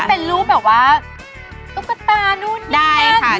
เป็นรูปแบบว่าตุ๊กตาดูนิกัน